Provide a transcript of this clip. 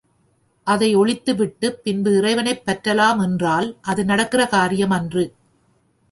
அதை ஒழித்து விட்டு பின்பு இறைவனைப் பற்றலாம் என்றால் அது நடக்கிற காரியம் அன்று.